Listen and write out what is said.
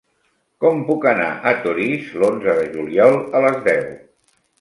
Com puc anar a Torís l'onze de juliol a les deu?